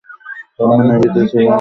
আমি নেভিতে ছিলাম।